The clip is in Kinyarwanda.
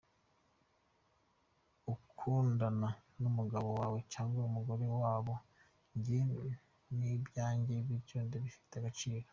Ukundana n’umugabo wabo cyangwa umugore wabo, njye n’ibyanjye nibyo bifite agaciro.